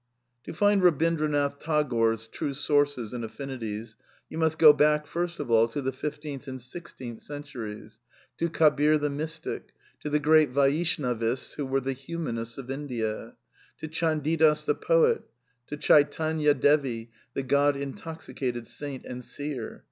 To find Eabindranath Tagore's true sources and aflSni ties you must go back, first of all, to the fifteenth and six teenth centuries ; to Kabir the mystic ; to the great Vaish ^^^.^^^avists who were the Humanists of India; to Chandidas "^^ the poet ; to Chaitanya Devi, the God intoxicated saint and seer.